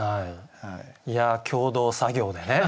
いや共同作業でね。